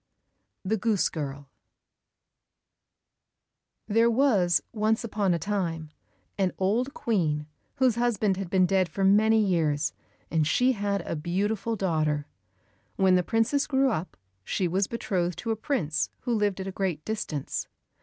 89 The Goose Girl There was once upon a time an old Queen whose husband had been dead for many years, and she had a beautiful daughter. When the princess grew up she was betrothed to a prince who lived at a great distance.